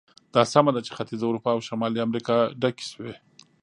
دا سمه ده چې ختیځه اروپا او شمالي امریکا ډکې شوې.